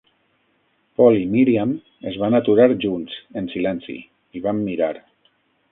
Paul i Míriam es van aturar junts, en silenci, i van mirar.